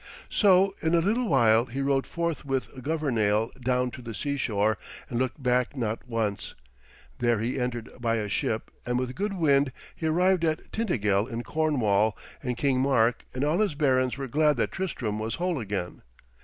So in a little while he rode forth with Governale down to the seashore and looked back not once. There he entered by a ship, and with good wind he arrived at Tintagel in Cornwall, and King Mark and all his barons were glad that Tristram was whole again.